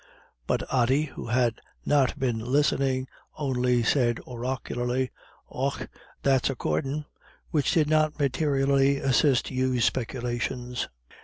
But Ody, who had not been listening, only said, oracularly: "Och! that's accordin'," which did not materially assist Hugh's speculations.